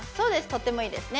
とってもいいですね